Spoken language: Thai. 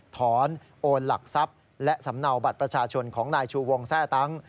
ถอนโอนหลักทรัพย์และสำเนาบัตรประชาชนของนายชูวงแทร่ตั้ง